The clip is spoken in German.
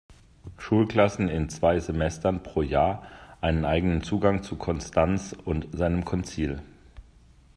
Schulklassen in zwei Semestern pro Jahr einen eigenen Zugang zu Konstanz und seinem Konzil.